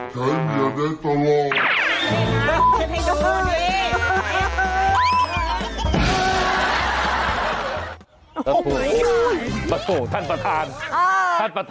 ใช้เมียได้ตลอด